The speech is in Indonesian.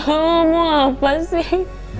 om mau apa sih